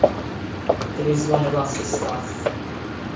To lose one of us is tough.